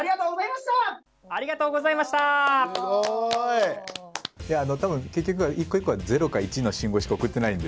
すごい。結局は一個一個は０か１の信号しか送っていないんですよね。